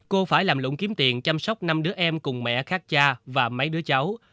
cô phải làm lũng kiếm tiền chăm sóc năm đứa em cùng mẹ khác cha và mấy đứa cháu